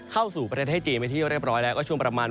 เข้าสู่ประเทศจีนไปที่เรียบร้อยแล้วก็ช่วงประมาณ